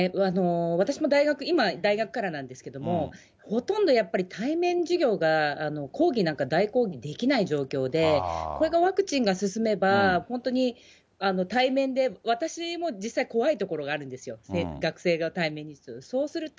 私も大学、今、大学からなんですけども、ほとんどやっぱり対面授業が、講義なんか代行できない状況で、これがワクチンが進めば、本当に対面で、私も実際怖いところがあるんですよ、学生と対面すると。